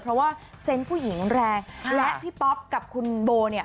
เพราะว่าเซนต์ผู้หญิงแรงและพี่ป๊อปกับคุณโบเนี่ย